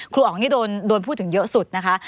อ๋องนี่โดนพูดถึงเยอะสุดนะคะ